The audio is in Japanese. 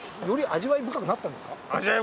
味わい深くなったんです！